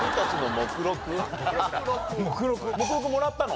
目録もらったの？